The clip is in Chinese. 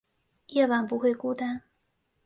夜晚不会孤单